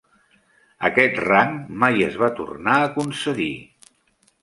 Aquest rang mai es va tornar a concedir.